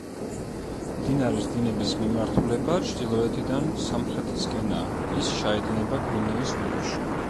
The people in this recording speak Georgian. მდინარის დინების მიმართულება ჩრდილოეთიდან სამხრეთისკენაა; ის ჩაედინება გვინეის ყურეში.